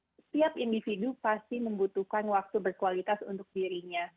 dan setiap individu pasti membutuhkan waktu berkualitas untuk dirinya